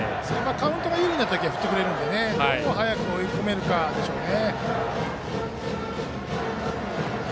カウントが有利な時は振ってくれるのでどう早く追い込むかでしょうね。